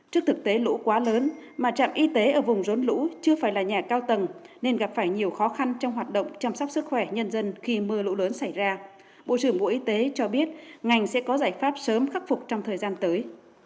trước thực tế lũ quá lớn mà trạm y tế ở vùng rốn lũ chưa phải là nhà cao tầng nên gặp phải nhiều khó khăn trong hoạt động chăm sóc sức khỏe nhân dân khi mưa lũ lớn xảy ra bộ trưởng bộ y tế cho biết ngành sẽ có giải pháp sớm khắc phục trong thời gian tới